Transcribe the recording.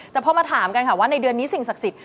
แต่พอมาถามกันค่ะว่าในเดือนนี้สิ่งศักดิ์สิทธิ